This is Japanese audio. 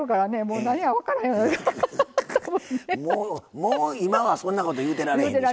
もう今はそんなこと言うてられへんでしょ。